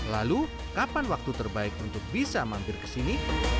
lalu kapan waktu terbaik untuk bisa mampir ke sini